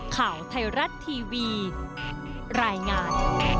ข่าวไทยรัฐทีวีรายงาน